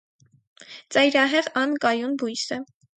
Ծայրահեղ անկայուն բույս է։